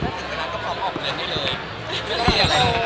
ถึงเวลาก็พร้อมออกเล่นให้เลย